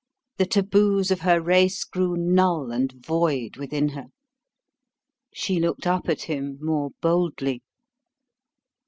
The taboos of her race grew null and void within her. She looked up at him more boldly.